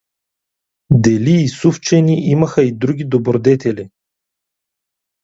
Делиисуфчени имаха и други добродетели.